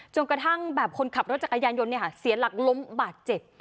กระทั่งแบบคนขับรถจักรยานยนต์เสียหลักล้มบาดเจ็บ